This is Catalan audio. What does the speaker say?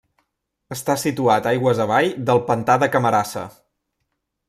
Està situat aigües avall del pantà de Camarasa.